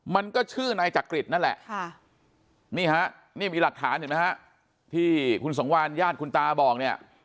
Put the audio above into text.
มันก็ชื่อนายจักริตนั่นแหละนี่ฮะนี่มีหลักฐานเห็นไหมฮะที่คุณสังวานญาติคุณตาบอกเนี่ย